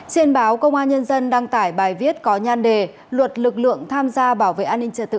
trên báo công an nhân dân đăng tải bài viết có nhan đề luật lực lượng tham gia bảo vệ an ninh trật tự